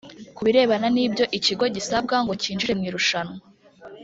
Ku birebana n’ibyo ikigo gisabwa ngo cyinjire mu irushanwa